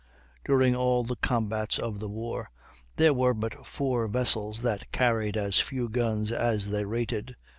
During all the combats of the war there were but four vessels that carried as few guns as they rated.